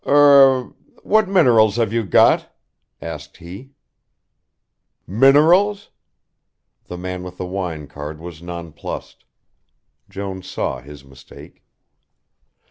"Er what minerals have you got?" asked he. "Minerals!" The man with the wine card was nonplussed. Jones saw his mistake.